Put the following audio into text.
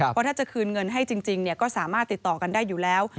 เพราะถ้าจะคืนเงินให้จริงก็สามารถติดต่อกันได้อยู่แล้ว